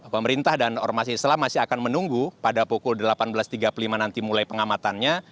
pemerintah dan ormas islam masih akan menunggu pada pukul delapan belas tiga puluh lima nanti mulai pengamatannya